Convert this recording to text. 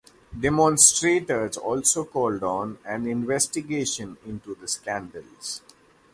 Demonstrators also called on an investigation into the scandals.